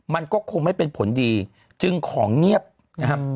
มันก็คงไม่เป็นผลดีจึงของเงียบนะครับ